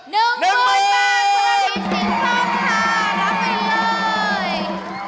๑มื้อนาทีมสีส้มค่ะรับไปเลย